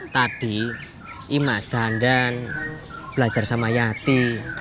tadi imas dandan belajar sama yati